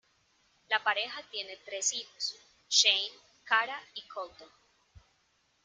La pareja tiene tres hijos: Shane, Kara y Colton.